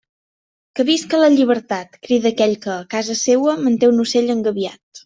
Que visca la llibertat, crida aquell que, a casa seua, manté un ocell engabiat.